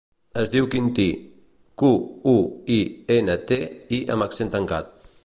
Es diu Quintí: cu, u, i, ena, te, i amb accent tancat.